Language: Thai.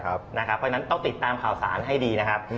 เพราะฉะนั้นต้องติดตามข่าวสารให้ดีนะครับ